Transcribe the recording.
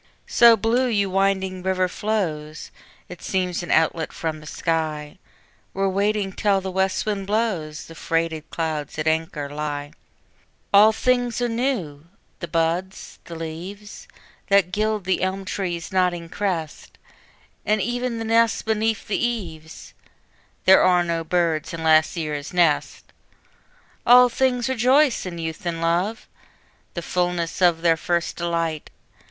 So blue you winding river flows, It seems an outlet from the sky, Where waiting till the west wind blows, The freighted clouds at anchor lie. All things are new; the buds, the leaves, That gild the elm tree's nodding crest, And even the nest beneath the eaves; There are no birds in last year's nest! All things rejoice in youth and love, The fulness of their first delight!